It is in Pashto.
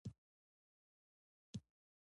د هغه یو وزیر په خپلو خاطراتو کې لیکلي دي.